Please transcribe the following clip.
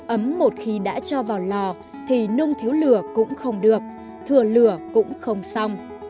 ấm một khi đã cho vào lò thì nung thiếu lửa cũng không được thừa lửa cũng không xong